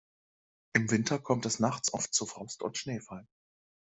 Im Winter kommt es nachts oft zu Frost und Schneefall.